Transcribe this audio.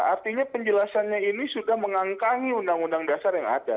artinya penjelasannya ini sudah mengangkangi undang undang dasar yang ada